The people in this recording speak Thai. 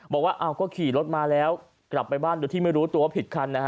บอกว่าก็ขี่รถมาแล้วกลับไปบ้านโดยที่ไม่รู้ตัวผิดคันนะฮะ